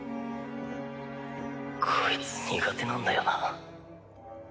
「こいつ苦手なんだよな」